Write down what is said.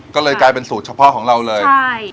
ก็เลยกลายเป็นสูตรเฉพาะของเราเลยใช่